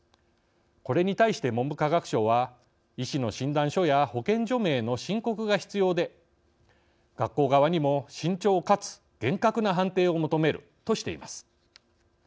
これに対して文部科学省は医師の診断書や保健所名の申告が必要で、学校側にも慎重かつ厳格な判定を求めるとしています。